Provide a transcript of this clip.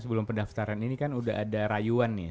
sebelum pendaftaran ini kan udah ada rayuan nih